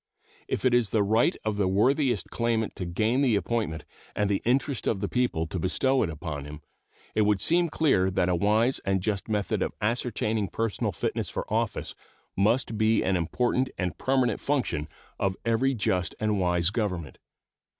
If it is the right of the worthiest claimant to gain the appointment and the interest of the people to bestow it upon him, it would seem clear that a wise and just method of ascertaining personal fitness for office must be an important and permanent function of every just and wise government.